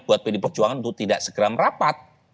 buat pilih perjuangan itu tidak segera merapat